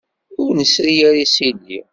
Ur nesri ara isili.